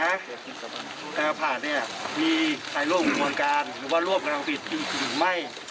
เนี้ยมีใครร่วมกันบ่นการหรือว่าร่วมกำลังผิดถึงไม่